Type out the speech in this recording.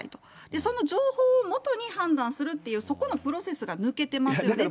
その情報をもとに判断するっていう、そこのプロセスが抜けてますよねって。